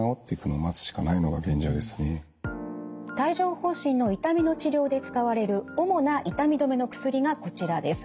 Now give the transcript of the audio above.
帯状ほう疹の痛みの治療で使われる主な痛み止めの薬がこちらです。